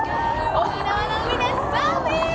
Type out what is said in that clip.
沖縄の海でサーフィン。